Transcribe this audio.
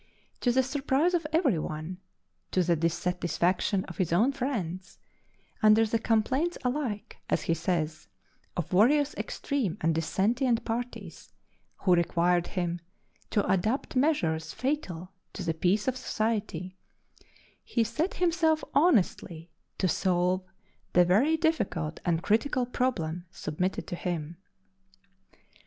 To the surprise of every one to the dissatisfaction of his own friends under the complaints alike (as he says) of various extreme and dissentient parties, who required him to adopt measures fatal to the peace of society he set himself honestly to solve the very difficult and critical problem submitted to him.